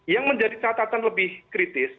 yang menjadi catatan lebih kritis